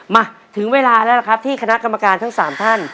มาถึงเวลาแล้วล่ะครับที่คณะกรรมการทั้ง๓ท่าน